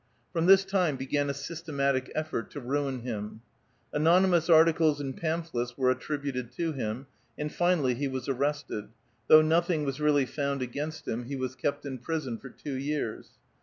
From this time began a systematic effoii; ' to ruin him. Anonymous articles and pamphlets were attributed to him, and finally he was arrested ; though nothing was really fouud against him, he was kept in prison for two years.